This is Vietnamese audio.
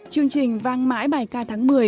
chương trình vang mãi bài ca tháng một mươi